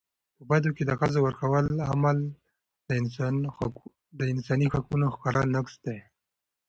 په بدو کي د ښځو ورکولو عمل د انساني حقونو ښکاره نقض دی.